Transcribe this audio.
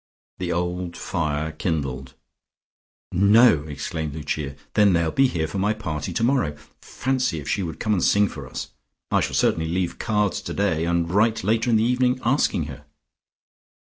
The old fire kindled. "No!" exclaimed Lucia. "Then they'll be here for my party tomorrow. Fancy if she would come and sing for us! I shall certainly leave cards today, and write later in the evening, asking her."